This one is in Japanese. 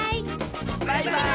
バイバーイ！